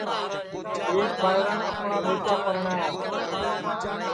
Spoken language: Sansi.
ایک ٻائران اپڻْا ٻیٹا پرڻْايا